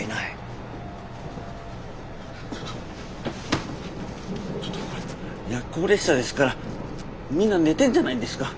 ちょっとちょっとこれ夜行列車ですからみんな寝てんじゃないんですか？